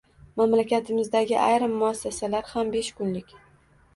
Mamlakatimizdagi ayrim muassasalar ham besh kunlik.